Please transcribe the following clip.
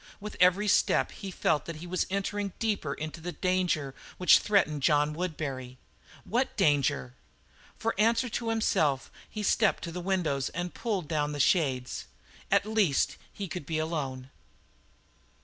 With every step he felt that he was entering deeper into the danger which threatened John Woodbury. What danger? For answer to himself he stepped to the windows and pulled down the shades. At least he could be alone.